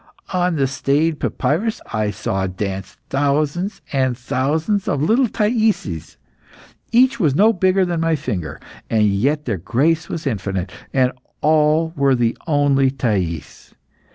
On the staid papyrus, I saw dance thousands and thousands of little Thaises. Each was no bigger than my finger, and yet their grace was infinite, and all were the only Thais.